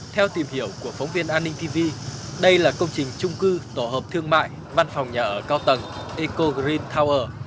theo tìm hiểu của phóng viên antv đây là công trình trung cư tổ hợp thương mại văn phòng nhà ở cao tầng eco green tower